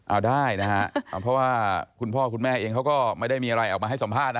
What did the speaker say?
เอาได้นะฮะเพราะว่าคุณพ่อคุณแม่เองเขาก็ไม่ได้มีอะไรออกมาให้สัมภาษณ์